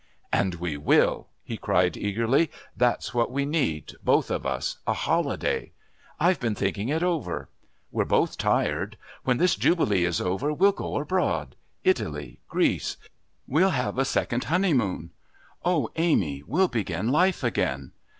"And we will!" he cried eagerly. "That's what we need, both of us a holiday. I've been thinking it over. We're both tired. When this Jubilee is over we'll go abroad Italy, Greece. We'll have a second honeymoon. Oh, Amy, we'll begin life again.